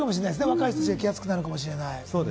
若い層が来やすくなるかもしれない。